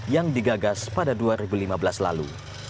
yang digagas pada dua ribu lima belas lalu